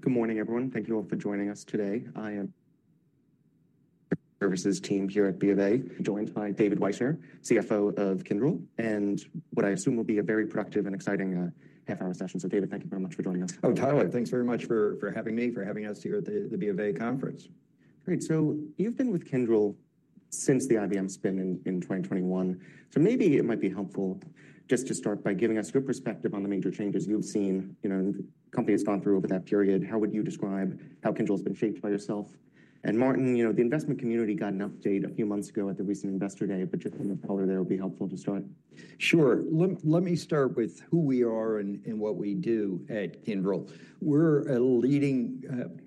Good morning, everyone. Thank you all for joining us today. I am Services team here at BofA, joined by David Wyshner, CFO of Kyndryl, and what I assume will be a very productive and exciting half-hour session. So, David, thank you very much for joining us. Oh, Tyler, thanks very much for having me, for having us here at the BofA conference. Great. So you've been with Kyndryl since the IBM spin in 2021. Maybe it might be helpful just to start by giving us your perspective on the major changes you've seen. You know, the company has gone through over that period. How would you describe how Kyndryl has been shaped by yourself? Martin, you know, the investment community got an update a few months ago at the recent Investor Day, but just a few more colors there would be helpful to start. Sure. Let me start with who we are and what we do at Kyndryl. We're a leading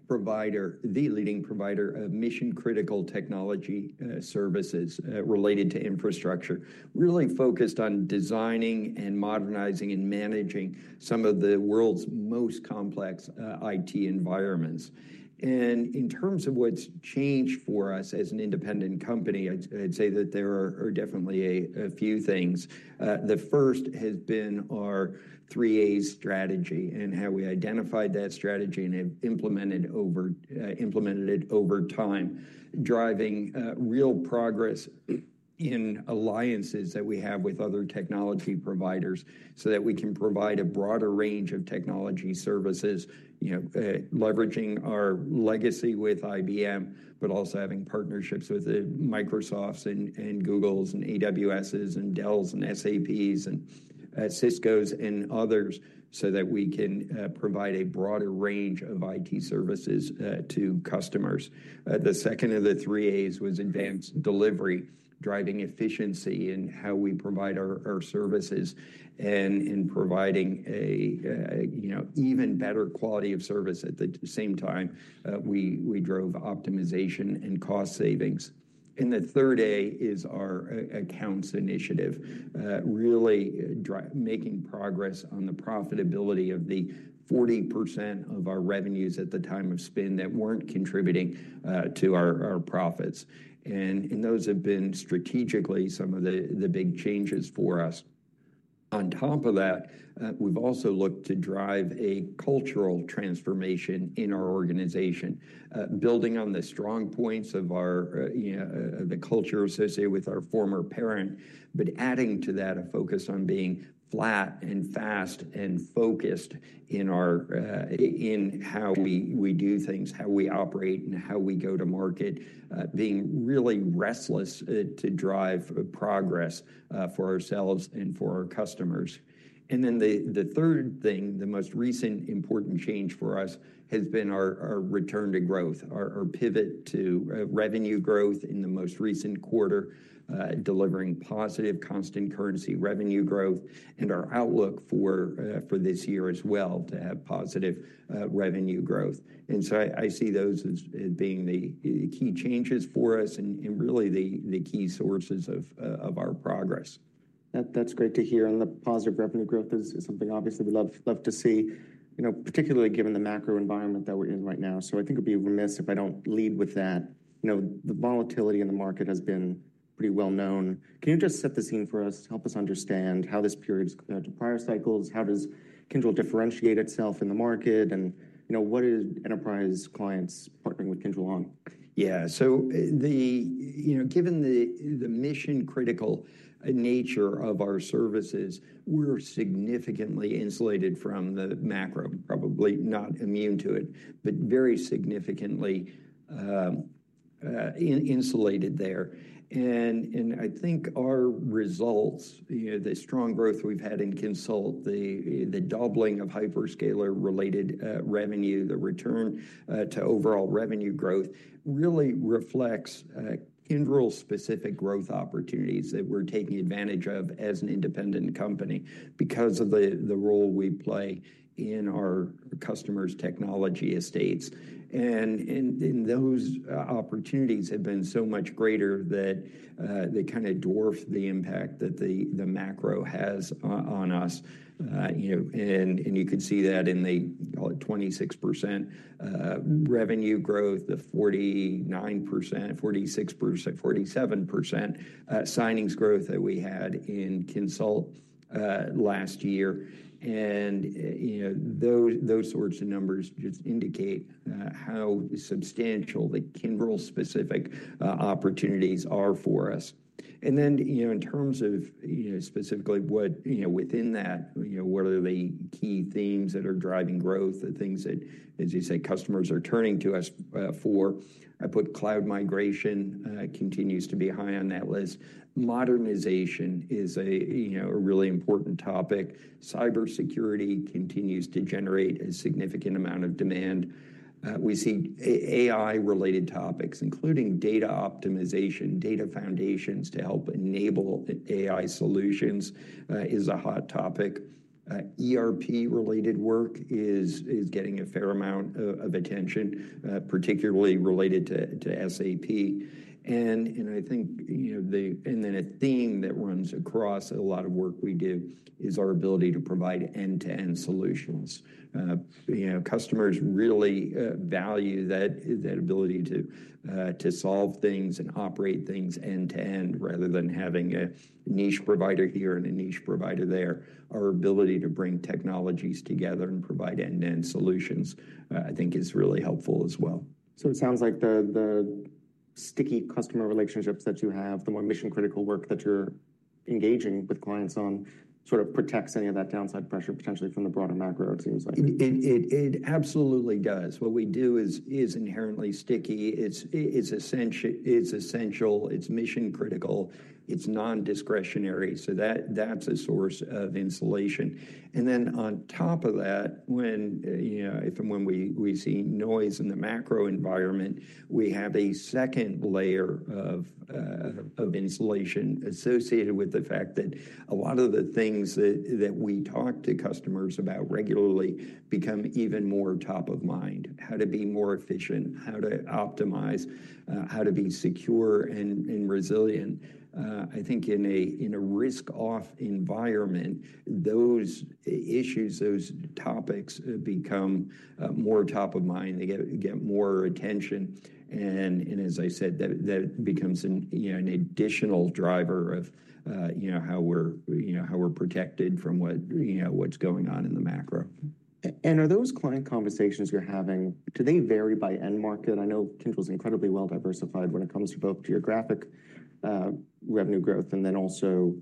provider, the leading provider of mission-critical technology services related to infrastructure. Really focused on designing and modernizing, and managing some of the world's most complex IT environments. In terms of what's changed for us as an independent company, I'd say that there are definitely a few things. The first has been our 3A strategy and how we identified that strategy and have implemented it over time, driving real progress in alliances that we have with other technology providers so that we can provide a broader range of technology services, you know, leveraging our legacy with IBM, but also having partnerships with Microsoft, Google, AWS, Dell, SAP, Cisco, and others so that we can provide a broader range of IT services to customers. The second of the 3A's was advanced delivery, driving efficiency in how we provide our services and in providing a, you know, even better quality of service. At the same time, we drove optimization and cost savings. The third A is our accounts initiative, really making progress on the profitability of the 40% of our revenues at the time of spin that were not contributing to our profits. Those have been strategically some of the big changes for us. On top of that, we have also looked to drive a cultural transformation in our organization, building on the strong points of our, you know, the culture associated with our former parent, but adding to that a focus on being flat and fast and focused in how we do things, how we operate, and how we go to market, being really restless to drive progress for ourselves and for our customers. The third thing, the most recent important change for us has been our return to growth, our pivot to revenue growth in the most recent quarter, delivering positive constant currency revenue growth, and our outlook for this year as well to have positive revenue growth. I see those as being the key changes for us and really the key sources of our progress. That's great to hear. And the positive revenue growth is something obviously we'd love to see, you know, particularly given the macro environment that we're in right now. I think it'd be remiss if I don't lead with that. You know, the volatility in the market has been pretty well known. Can you just set the scene for us, help us understand how this period has compared to prior cycles? How does Kyndryl differentiate itself in the market? And, you know, what is enterprise clients partnering with Kyndryl on? Yeah. So the, you know, given the mission-critical nature of our services, we're significantly insulated from the macro, probably not immune to it, but very significantly insulated there. I think our results, you know, the strong growth we've had in consult, the doubling of hyperscaler-related revenue, the return to overall revenue growth, really reflects Kyndryl-specific growth opportunities that we're taking advantage of as an independent company because of the role we play in our customers' technology estates. Those opportunities have been so much greater that they kind of dwarf the impact that the macro has on us. You know, and you could see that in the 26% revenue growth, the 49%, 46%, 47% signings growth that we had in consult last year. You know, those sorts of numbers just indicate how substantial the Kyndryl-specific opportunities are for us. You know, in terms of, you know, specifically what, you know, within that, you know, what are the key themes that are driving growth, the things that, as you say, customers are turning to us for? I put cloud migration continues to be high on that list. Modernization is a, you know, a really important topic. Cybersecurity continues to generate a significant amount of demand. We see AI-related topics, including data optimization, data foundations to help enable AI solutions, is a hot topic. ERP-related work is getting a fair amount of attention, particularly related to SAP. I think, you know the, and then a theme that runs across a lot of work we do is our ability to provide end-to-end solutions. You know, customers really value that ability to solve things and operate things end-to-end rather than having a niche provider here and a niche provider there. Our ability to bring technologies together and provide end-to-end solutions, I think, is really helpful as well. It sounds like the sticky customer relationships that you have, the more mission-critical work that you're engaging with clients on, sort of protects any of that downside pressure potentially from the broader macro, it seems like. It absolutely does. What we do is inherently sticky. It is essential. It is mission-critical. It is non-discretionary. That is a source of insulation. On top of that, when you know, if and when we see noise in the macro environment, we have a second layer of insulation associated with the fact that a lot of the things that we talk to customers about regularly become even more top of mind, how to be more efficient, how to optimize, how to be secure and resilient. I think in a risk-off environment, those issues, those topics become more top of mind. They get more attention. As I said, that becomes an additional driver of, you know, how we are protected from what is going on in the macro. Are those client conversations you're having? Do they vary by end market? I know Kyndryl is incredibly well diversified when it comes to both geographic revenue growth and then also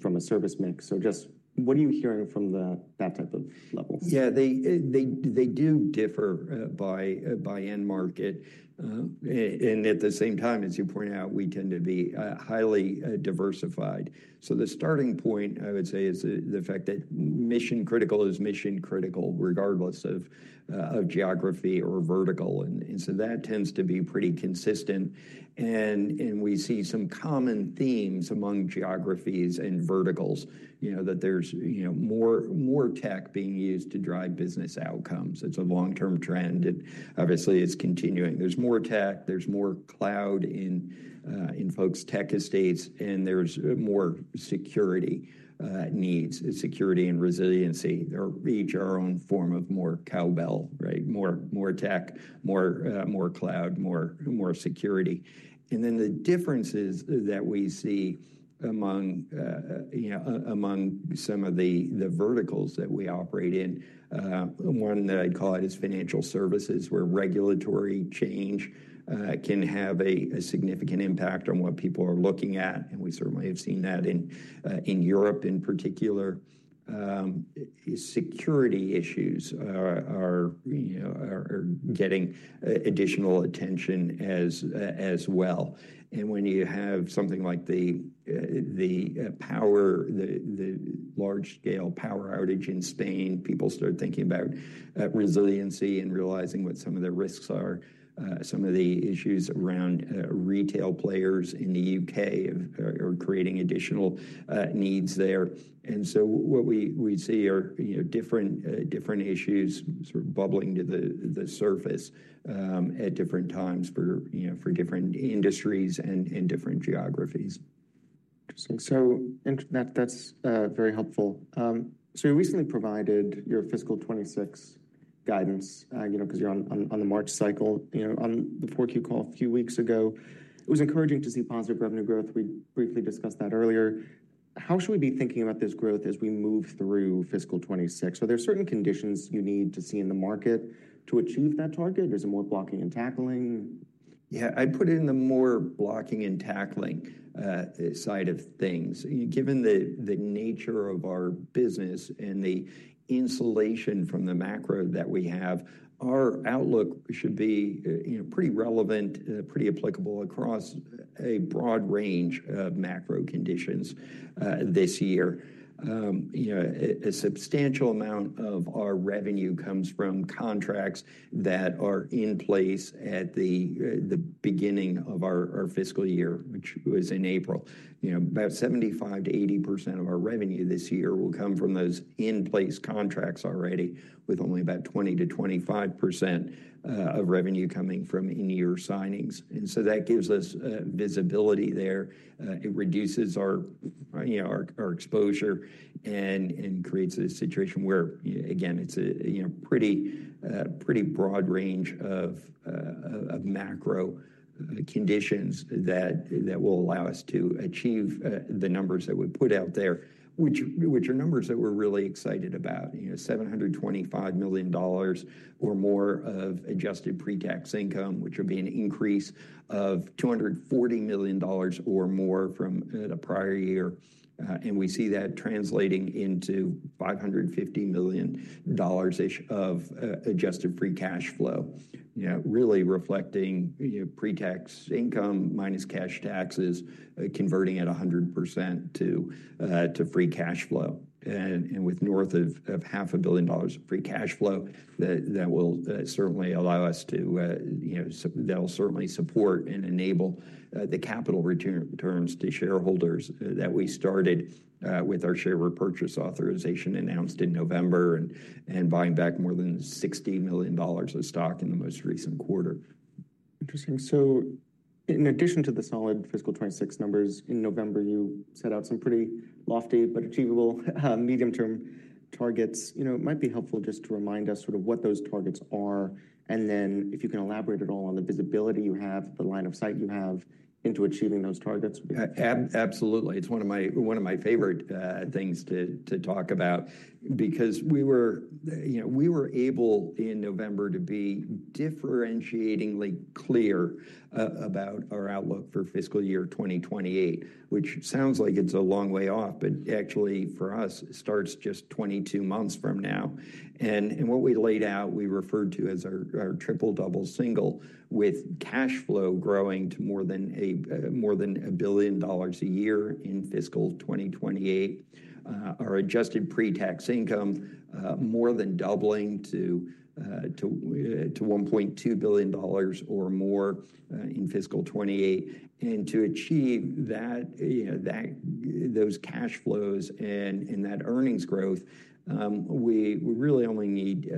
from a service mix. Just what are you hearing from that type of level? Yeah, they do differ by end market. At the same time, as you point out, we tend to be highly diversified. The starting point, I would say, is the fact that mission-critical is mission-critical regardless of geography or vertical. That tends to be pretty consistent. We see some common themes among geographies and verticals, you know, that there's more tech being used to drive business outcomes. It's a long-term trend. Obviously, it's continuing. There's more tech, there's more cloud in folks' tech estates, and there's more security needs, security, and resiliency. They are each our own form of more cowbell, right? More tech, more cloud, more security. The differences that we see among some of the verticals that we operate in, one that I'd call out is financial services, where regulatory change can have a significant impact on what people are looking at. We certainly have seen that in Europe in particular. Security issues are getting additional attention as well. When you have something like the large-scale power outage in Spain, people start thinking about resiliency and realizing what some of the risks are. Some of the issues around retail players in the U.K. are creating additional needs there. What we see are different issues sort of bubbling to the surface at different times for different industries and different geographies. Interesting. That is very helpful. You recently provided your fiscal 2026 guidance, you know, because you are on the March cycle, you know, on the forecast call a few weeks ago. It was encouraging to see positive revenue growth. We briefly discussed that earlier. How should we be thinking about this growth as we move through fiscal 2026? Are there certain conditions you need to see in the market to achieve that target? Is it more blocking and tackling? Yeah, I'd put it in the more blocking and tackling side of things. Given the nature of our business and the insulation from the macro that we have, our outlook should be pretty relevant, pretty applicable across a broad range of macro conditions this year. You know, a substantial amount of our revenue comes from contracts that are in place at the beginning of our fiscal year, which was in April. You know, about 75%-80% of our revenue this year will come from those in-place contracts already, with only about 20%-25% of revenue coming from in-year signings. And so that gives us visibility there. It reduces our exposure and creates a situation where, again, it's a pretty broad range of macro conditions that will allow us to achieve the numbers that we put out there, which are numbers that we're really excited about. You know, $725 million or more of adjusted pre-tax income, which would be an increase of $240 million or more from the prior year. We see that translating into $550 million-ish of adjusted free cash flow, you know, really reflecting pre-tax income minus cash taxes, converting at 100% to free cash flow. With north of half a billion dollars of free cash flow, that will certainly allow us to, you know, that'll certainly support and enable the capital return terms to shareholders that we started with our share repurchase authorization announced in November, and buying back more than $60 million of stock in the most recent quarter. Interesting. In addition to the solid fiscal 2026 numbers in November, you set out some pretty lofty but achievable medium-term targets. You know, it might be helpful just to remind us, sort of, what those targets are. If you can elaborate at all on the visibility you have, the line of sight you have into achieving those targets. Absolutely. It's one of my favorite things to talk about because we were, you know, we were able in November to be differentiatingly clear about our outlook for fiscal year 2028, which sounds like it's a long way off, but actually for us, it starts just 22 months from now. What we laid out, we referred to as our triple, double, single, with cash flow growing to more than $1 billion a year in fiscal 2028. Our adjusted pre-tax income more than doubling to $1.2 billion or more in fiscal 2028. To achieve that, those cash flows and that earnings growth, we really only need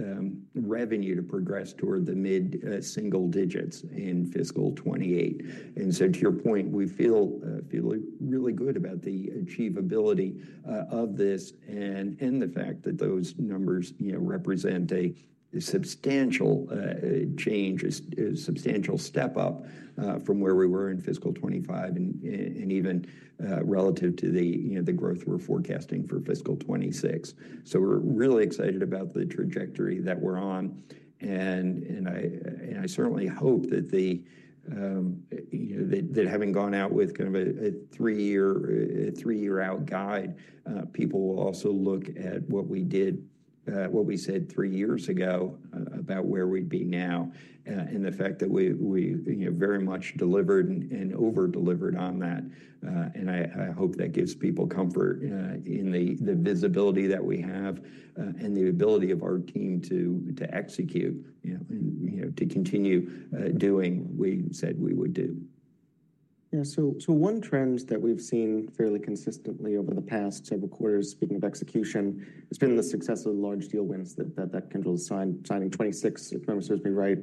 revenue to progress toward the mid-single digits in fiscal 2028. To your point, we feel really good about the achievability of this and the fact that those numbers, you know, represent a substantial change, a substantial step up from where we were in fiscal 2025 and even relative to the growth we're forecasting for fiscal 2026. We're really excited about the trajectory that we're on. I certainly hope that, you know, that having gone out with kind of a three-year out guide, people will also look at what we did, what we said three years ago about where we'd be now, and the fact that we very much delivered and over-delivered on that. I hope that gives people comfort in the visibility that we have and the ability of our team to execute, you know, to continue doing what we said we would do. Yeah. One trend that we've seen fairly consistently over the past several quarters, speaking of execution, has been the success of the large deal wins that Kyndryl signed in 2026, if my memory serves me right,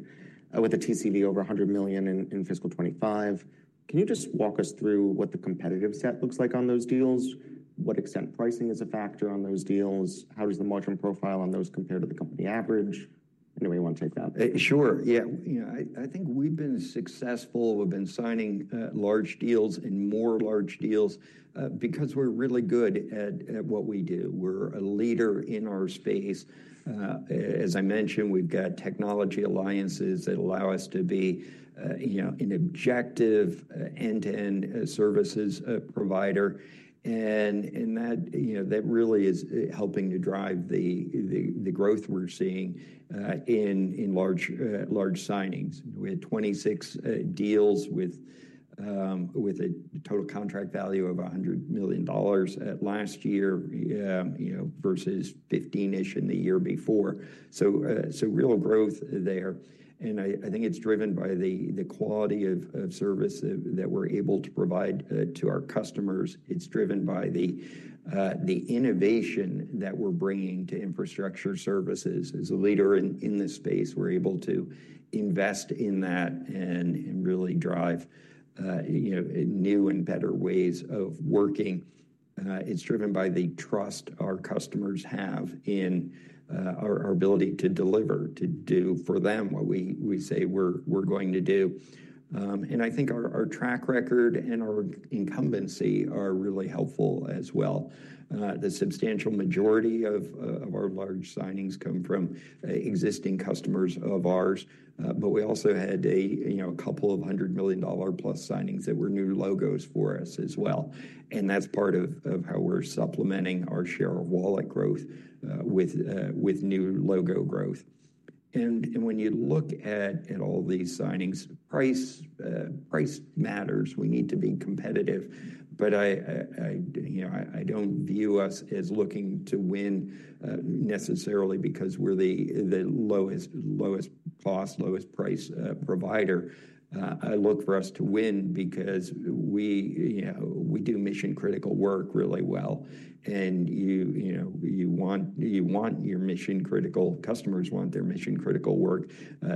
with a TCV over $100 million in fiscal 2025. Can you just walk us through what the competitive set looks like on those deals? To what extent is pricing a factor on those deals? How does the margin profile on those compare to the company average? Anyway, you want to take that. Sure. Yeah. You know, I think we've been successful. We've been signing large deals and more large deals because we're really good at what we do. We're a leader in our space. As I mentioned, we've got technology alliances that allow us to be, you know, an objective end-to-end services provider. That, you know, that really is helping to drive the growth we're seeing in large signings. We had 26 deals with a total contract value of $100 million last year, you know, versus 15-ish in the year before. Real growth there. I think it's driven by the quality of service that we're able to provide to our customers. It's driven by the innovation that we're bringing to infrastructure services. As a leader in this space, we're able to invest in that and really drive, you know, new and better ways of working. It's driven by the trust our customers have in our ability to deliver, to do for them what we say we're going to do. I think our track record and our incumbency are really helpful as well. The substantial majority of our large signings come from existing customers of ours. We also had a, you know, a couple of $100 million plus signings that were new logos for us as well. That's part of how we're supplementing our share of wallet growth with new logo growth. When you look at all these signings, price matters. We need to be competitive. I, you know, I don't view us as looking to win necessarily because we're the lowest cost, lowest price provider. I look for us to win because we, you know, we do mission-critical work really well. You want your mission-critical, customers want their mission-critical work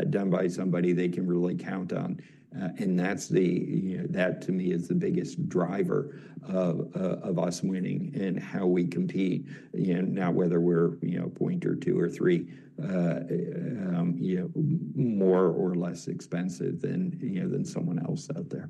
done by somebody they can really count on. That, you know, that to me is the biggest driver of us winning and how we compete, you know, now whether we're, you know, a point or two or three, you know, more or less expensive than someone else out there.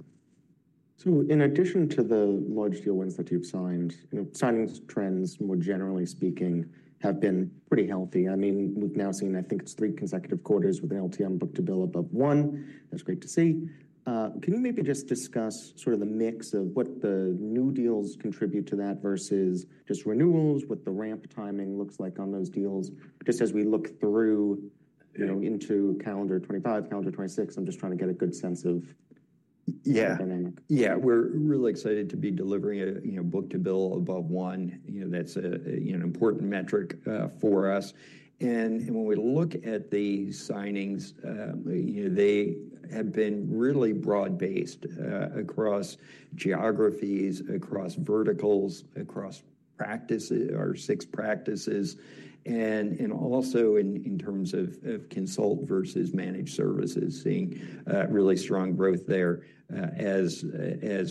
In addition to the large deal wins that you've signed, you know, signings trends, more generally speaking, have been pretty healthy. I mean, we've now seen, I think it's three consecutive quarters with an LTM booked-to-bill above one. That's great to see. Can you maybe just discuss sort of the mix of what the new deals contribute to that versus just renewals, what the ramp timing looks like on those deals, just as we look through, you know, into calendar 2025, calendar 2026? I'm just trying to get a good sense of the dynamic. Yeah, we're really excited to be delivering a book-to-bill above one. You know, that's an important metric for us. When we look at the signings, you know, they have been really broad-based across geographies, across verticals, across practices, our six practices, and also in terms of consult versus managed services, seeing really strong growth there as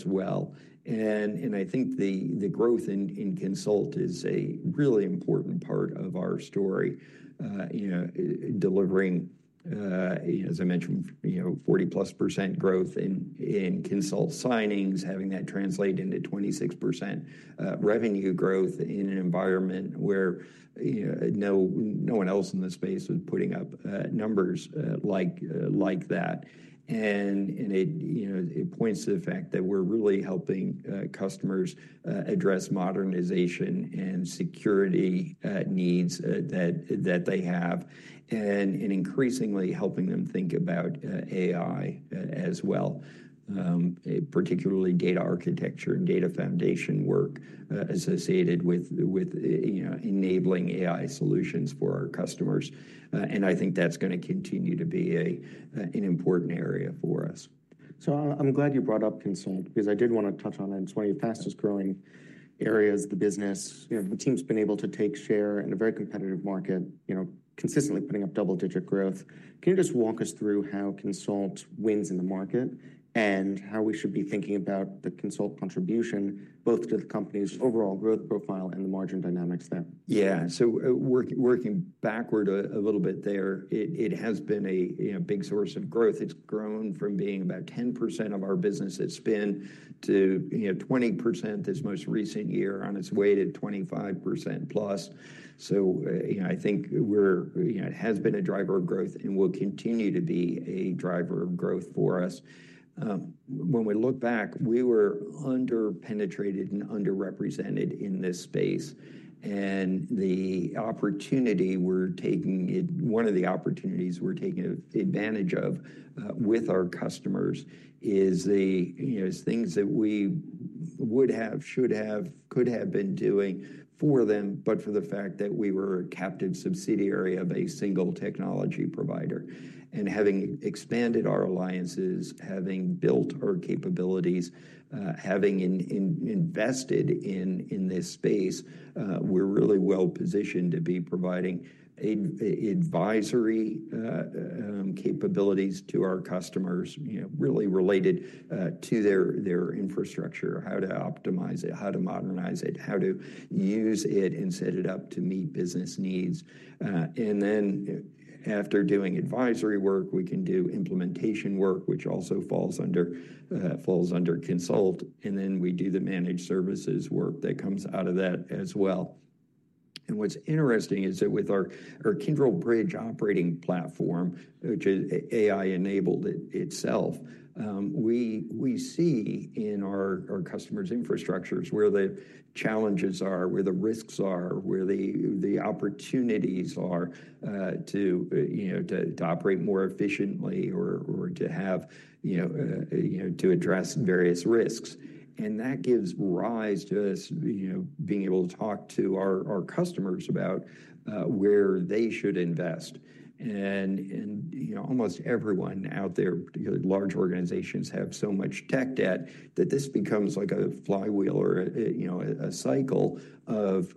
well. I think the growth in consult is a really important part of our story, you know, delivering, as I mentioned, you know, 40% plus growth in consult signings, having that translate into 26% revenue growth in an environment where, you know, no one else in the space was putting up numbers like that. It, you know, it points to the fact that we're really helping customers address modernization and security needs that they have and increasingly helping them think about AI as well, particularly data architecture and data foundation work associated with enabling AI solutions for our customers. I think that's going to continue to be an important area for us. I'm glad you brought up consult because I did want to touch on it. It's one of the fastest-growing areas of the business. You know, the team's been able to take share in a very competitive market, you know, consistently putting up double-digit growth. Can you just walk us through how consult wins in the market and how we should be thinking about the consult contribution both to the company's overall growth profile and the margin dynamics there? Yeah. Working backward a little bit there, it has been a big source of growth. It's grown from being about 10% of our business at spin to, you know, 20% this most recent year, on its way to 25% plus. You know, I think we're, you know, it has been a driver of growth and will continue to be a driver of growth for us. When we look back, we were under-penetrated and underrepresented in this space. The opportunity we're taking, one of the opportunities we're taking advantage of with our customers, is the, you know, things that we would have, should have, could have been doing for them, but for the fact that we were a captive subsidiary of a single technology provider. Having expanded our alliances, having built our capabilities, having invested in this space, we're really well positioned to be providing advisory capabilities to our customers, you know, really related to their infrastructure, how to optimize it, how to modernize it, how to use it, and set it up to meet business needs. After doing advisory work, we can do implementation work, which also falls under consult. We do the managed services work that comes out of that as well. What's interesting is that with our Kyndryl Bridge operating platform, which is AI-enabled itself, we see in our customers' infrastructures where the challenges are, where the risks are, where the opportunities are, to, you know, to operate more efficiently or to have, you know, to address various risks. That gives rise to us, you know, being able to talk to our customers about where they should invest. You know, almost everyone out there, particularly large organizations, have so much tech debt that this becomes like a flywheel or, you know, a cycle of,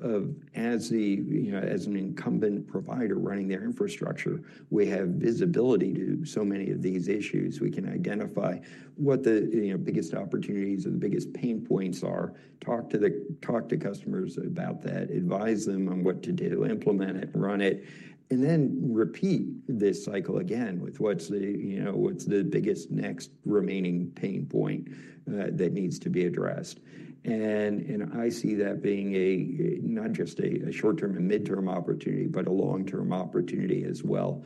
as an incumbent provider running their infrastructure, we have visibility to so many of these issues. We can identify what the, you know, biggest opportunities or the biggest pain points are, talk to customers about that, advise them on what to do, implement it, run it, and then repeat this cycle again with what's the, you know, what's the biggest next remaining pain point that needs to be addressed. I see that being not just a short-term and mid-term opportunity, but a long-term opportunity as well,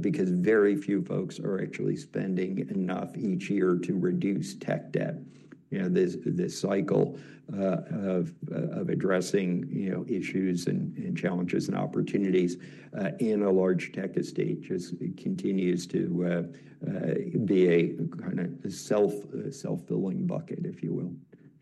because very few folks are actually spending enough each year to reduce tech debt. You know, this cycle of addressing, you know, issues and challenges and opportunities in a large tech estate just continues to be a kind of self-filling bucket, if you will.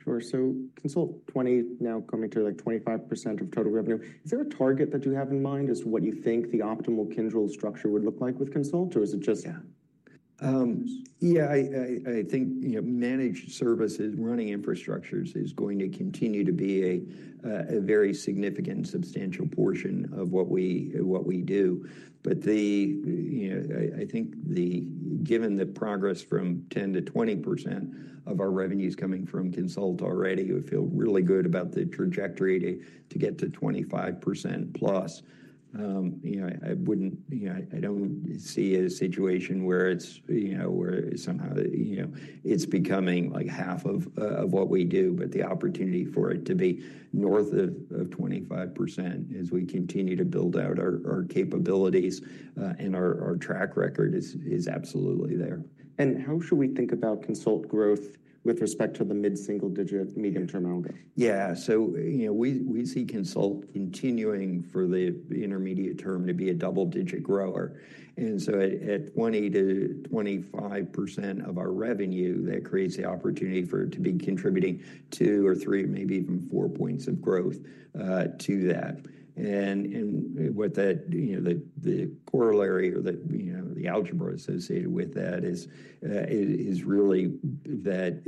Sure. So consult 20 now coming to like 25% of total revenue. Is there a target that you have in mind as to what you think the optimal Kyndryl structure would look like with consult, or is it just? Yeah. Yeah, I think, you know, managed services, running infrastructures is going to continue to be a very significant and substantial portion of what we do. But the, you know, I think given the progress from 10% to 20% of our revenues coming from consult already, we feel really good about the trajectory to get to 25% plus. You know, I wouldn't, you know, I don't see a situation where it's, you know, where somehow, you know, it's becoming like half of what we do, but the opportunity for it to be north of 25% as we continue to build out our capabilities and our track record is absolutely there. How should we think about consult growth with respect to the mid-single digit, medium-term outlook? Yeah. You know, we see consult continuing for the intermediate term to be a double-digit grower. At 20%-25% of our revenue, that creates the opportunity for it to be contributing two or three, maybe even four points of growth to that. The corollary or the algebra associated with that is really that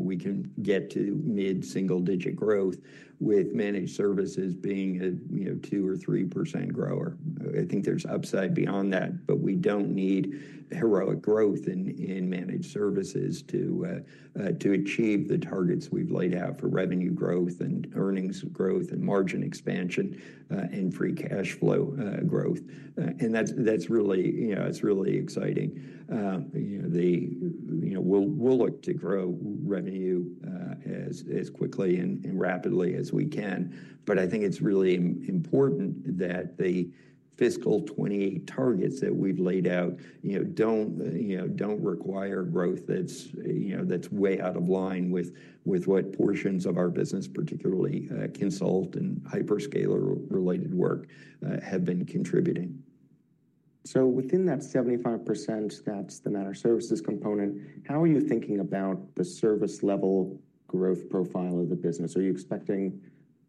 we can get to mid-single-digit growth with managed services being a 2%-3% grower. I think there's upside beyond that, but we don't need heroic growth in managed services to achieve the targets we've laid out for revenue growth and earnings growth and margin expansion, and free cash flow growth. That's really exciting. You know, we'll look to grow revenue as quickly and rapidly as we can. I think it's really important that the fiscal 2028 targets that we've laid out, you know, don't require growth that's, you know, that's way out of line with what portions of our business, particularly consult and hyperscaler-related work, have been contributing. Within that 75%, that's the managed services component. How are you thinking about the service-level growth profile of the business? Are you expecting,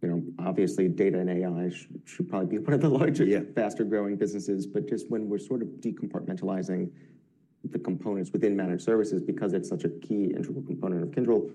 you know, obviously data and AI should probably be one of the largest, faster-growing businesses, but just when we're sort of decompartmentalizing the components within managed services because it's such a key integral component of Kyndryl,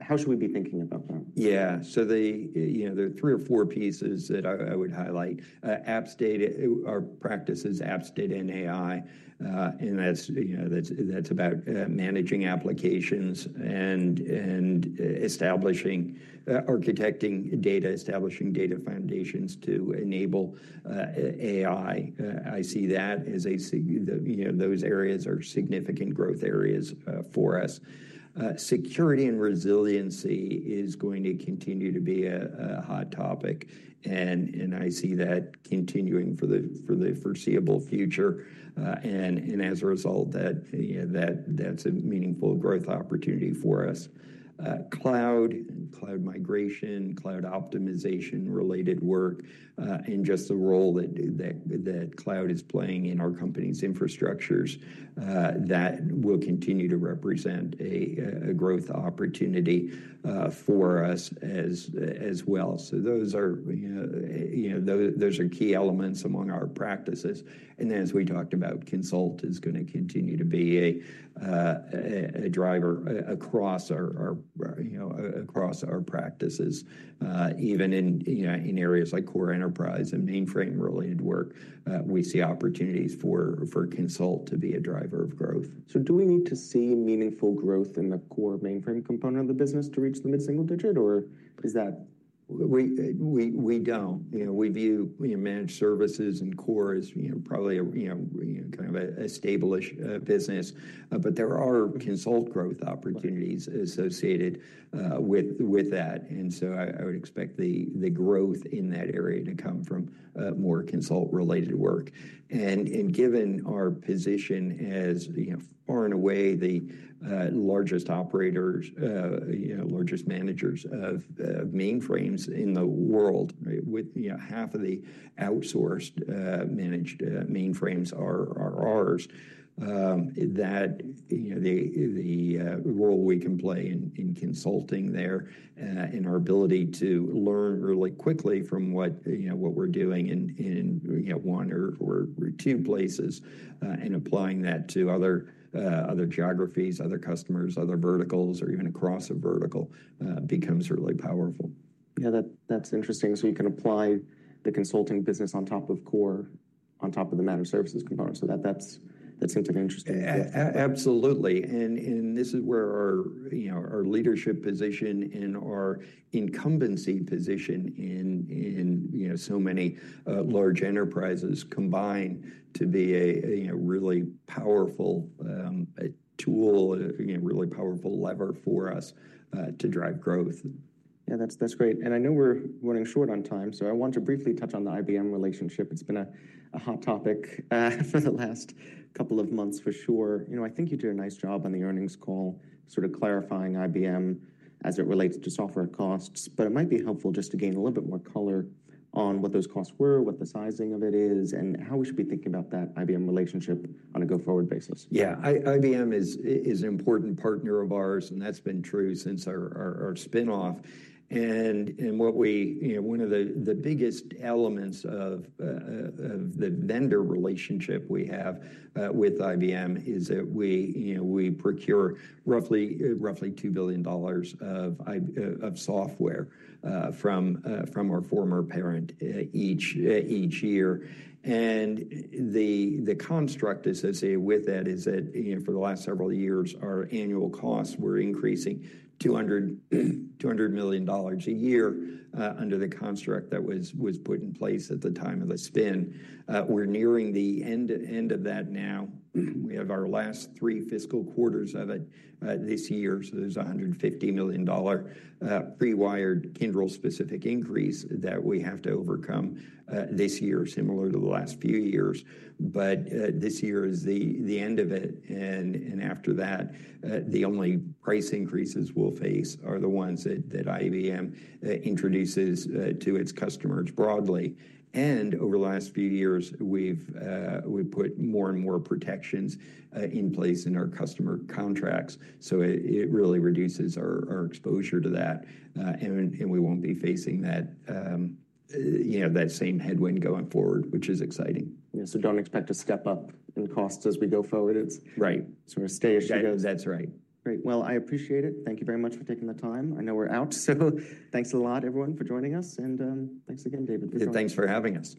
how should we be thinking about that? Yeah. So, you know, there are three or four pieces that I would highlight. Apps, data, our practices, apps, data, and AI. And that's about managing applications and establishing, architecting data, establishing data foundations to enable AI. I see that as a, you know, those areas are significant growth areas for us. Security and resiliency is going to continue to be a hot topic. I see that continuing for the foreseeable future. As a result, that's a meaningful growth opportunity for us. Cloud, cloud migration, cloud optimization-related work, and just the role that cloud is playing in our company's infrastructures, that will continue to represent a growth opportunity for us as well. Those are, you know, those are key elements among our practices. Then, as we talked about, consult is going to continue to be a driver across our, you know, across our practices. Even in areas like core enterprise and mainframe-related work, we see opportunities for consult to be a driver of growth. Do we need to see meaningful growth in the core mainframe component of the business to reach the mid-single digit, or is that? We don't. You know, we view managed services and core as, you know, probably a, you know, kind of a stable business. But there are consult growth opportunities associated with that. I would expect the growth in that area to come from more consult-related work. Given our position as, you know, far and away the largest operators, you know, largest managers of mainframes in the world, with, you know, half of the outsourced managed mainframes are ours, that, you know, the role we can play in consulting there and our ability to learn really quickly from what, you know, what we're doing in, you know, one or two places and applying that to other geographies, other customers, other verticals, or even across a vertical becomes really powerful. Yeah, that's interesting. You can apply the consulting business on top of core, on top of the managed services component. That seems to be interesting. Absolutely. This is where our, you know, our leadership position and our incumbency position in, you know, so many large enterprises combine to be a, you know, really powerful tool, you know, really powerful lever for us to drive growth. Yeah, that's great. I know we're running short on time, so I want to briefly touch on the IBM relationship. It's been a hot topic for the last couple of months for sure. You know, I think you did a nice job on the earnings call, sort of clarifying IBM as it relates to software costs. It might be helpful just to gain a little bit more color on what those costs were, what the sizing of it is, and how we should be thinking about that IBM relationship on a go-forward basis. Yeah, IBM is an important partner of ours, and that's been true since our spinoff. And what we, you know, one of the biggest elements of the vendor relationship we have with IBM is that we, you know, we procure roughly $2 billion of software from our former parent each year. And the construct associated with that is that, you know, for the last several years, our annual costs were increasing $200 million a year under the construct that was put in place at the time of the spin. We're nearing the end of that now. We have our last three fiscal quarters of it this year. So there's a $150 million pre-wired Kyndryl-specific increase that we have to overcome this year, similar to the last few years. But this year is the end of it. After that, the only price increases we'll face are the ones that IBM introduces to its customers broadly. Over the last few years, we've put more and more protections in place in our customer contracts. It really reduces our exposure to that. We won't be facing that, you know, that same headwind going forward, which is exciting. Yeah. So don't expect to step up in costs as we go forward. Right. Sort of stay as you go. That's right. Great. I appreciate it. Thank you very much for taking the time. I know we're out. Thanks a lot, everyone, for joining us. Thanks again, David. Thanks for having us.